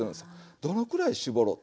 どのくらい絞ろうと。